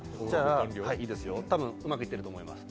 多分うまくいっていると思います。